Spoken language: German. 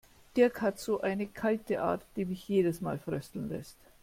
Dirk hat so eine kalte Art, die mich jedes Mal frösteln lässt.